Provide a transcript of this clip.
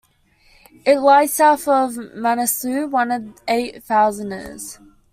It lies south of Manaslu, one of the Eight-thousanders.